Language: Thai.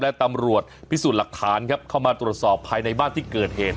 และตำรวจพิสูจน์หลักฐานครับเข้ามาตรวจสอบภายในบ้านที่เกิดเหตุ